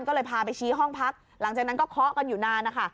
ก็เลยพาไปชี้ห้องพักหลังจากนั้นก็เคาะกันอยู่นานนะคะ